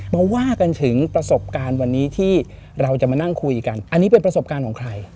มาว่ากันถึงประสบการณ์วันนี้ที่เราจะมานั่งคุยกันอันนี้เป็นประสบการณ์ของใคร